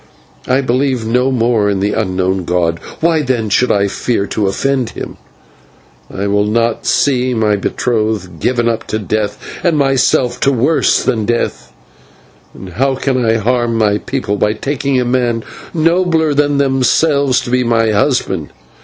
I believe no more in this unknown god; why, then, should I fear to offend him? I will not see my betrothed given up to death, and myself to worse than death; and how can I harm my people by taking a man nobler than themselves to be my husband?